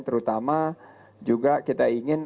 terutama juga kita ingin